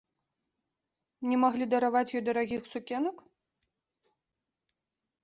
Не маглі дараваць ёй дарагіх сукенак?